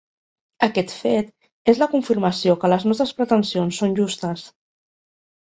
Aquest fet és la confirmació que les nostres pretensions són justes.